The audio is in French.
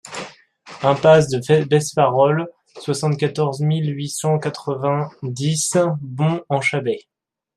Impasse de Beffarol, soixante-quatorze mille huit cent quatre-vingt-dix Bons-en-Chablais